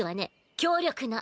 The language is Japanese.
強力な。